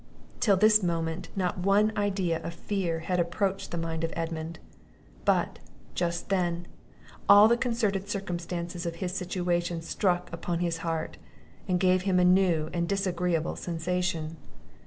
Till this moment not one idea of fear had approached the mind of Edmund; but, just then, all the concurrent circumstances of his situation struck upon his heart, and gave him a new and disagreeable sensation.